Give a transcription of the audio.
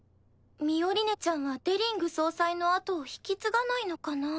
ミオリネちゃんはデリング総裁の後を引き継がないのかな？